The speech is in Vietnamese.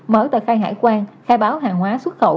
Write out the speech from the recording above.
mở tờ khai hải quan khai báo hàng hóa xuất khẩu